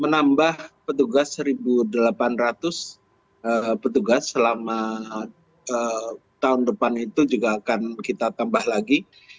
menambah petugas satu delapan ratus petugas selama tahun depan itu juga akan kita tambah lagi